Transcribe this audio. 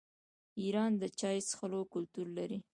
ایران د چای څښلو کلتور لري.